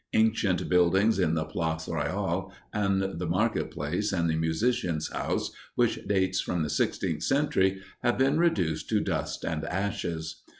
Ancient buildings in the Place Royal and the market place and the Musicians' House, which dates from the sixteenth century, have been reduced to dust and ashes."